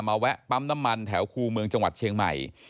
แวะปั๊มน้ำมันแถวคู่เมืองจังหวัดเชียงใหม่